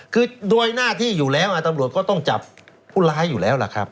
คือโดยหน้าที่อยู่แล้วตำรวจก็ต้องจับผู้ร้ายอยู่แล้วล่ะครับ